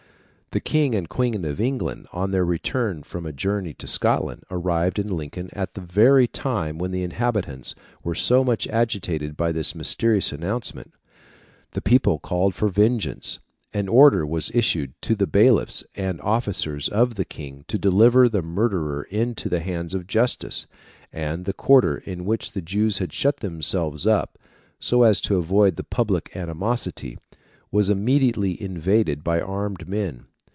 The King and Queen of England, on their return from a journey to Scotland, arrived in Lincoln at the very time when the inhabitants were so much agitated by this mysterious announcement. The people called for vengeance. An order was issued to the bailiffs and officers of the King to deliver the murderer into the hands of justice, and the quarter in which the Jews had shut themselves up, so as to avoid the public animosity, was immediately invaded by armed men.